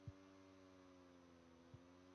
د استما لپاره د تورې دانې تېل وکاروئ